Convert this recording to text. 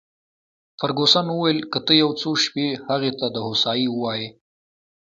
فرګوسن وویل: که ته یو څو شپې هغې ته د هوسایۍ وواېې.